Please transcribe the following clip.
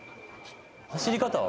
走り方は？